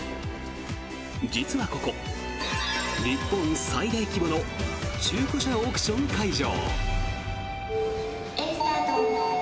実はここ、日本最大規模の中古車オークション会場。